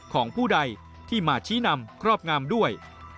ของผู้ใดที่มาชี้นำครอบงามด้วย